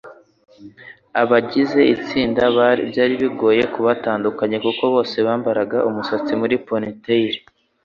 Abagize itsinda byari bigoye kubatandukanya kuko bose bambaraga umusatsi muri ponytail.